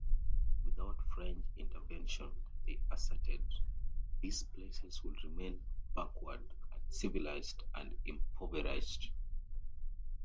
Without French intervention, they asserted, these places would remain backward, uncivilized, and impoverished.